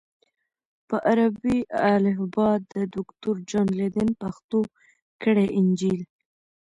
په عربي الفبا د دوکتور جان لیدن پښتو کړی انجیل